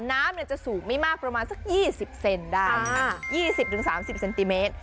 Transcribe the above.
น้ำจะสูงไม่มากประมาณสัก๒๐เซนได้๒๐๓๐เซนติเมตร